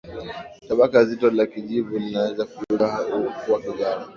tabaka zito la kijivu linaweza kugeuka kuwa kijana